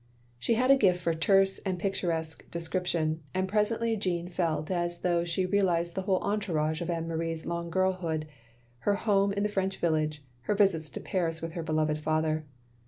" She had a gift for terse and picturesque de scription, and presently Jeanne felt as though she realised the whole entourage of Anne Marie's long girlhood — her home in the French village — ^her visits to Paris with her beloved father.